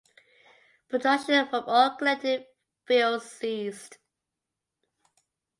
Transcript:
Production from all connected fields ceased.